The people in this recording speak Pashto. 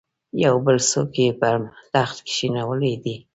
یو بل څوک یې پر تخت کښېنولی دی.